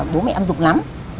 bố mẹ em rục lắm